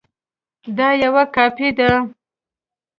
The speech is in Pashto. دا یوه کاپي ده